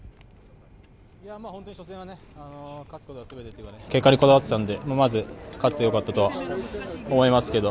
本当に初戦は勝つことが全てというか結果にこだわってたのでまず、勝てて良かったとは思いますけど。